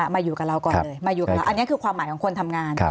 มาอยู่กับเราก่อนเลยอันนี้คือความหมายของคนทำงาน